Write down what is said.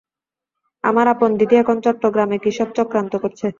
আমার আপন দিদি এখন চট্টগ্রামে কী সব চক্রান্ত করছে।